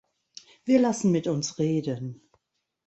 Wir lassen mit uns reden.